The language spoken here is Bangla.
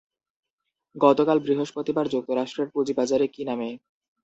গতকাল বৃহস্পতিবার যুক্তরাষ্ট্রের পুঁজিবাজারে কি নামে?